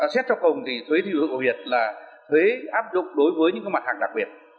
xét cho cùng thì thuế tiêu thụ đặc biệt là thuế áp dụng đối với những cái mặt hàng đặc biệt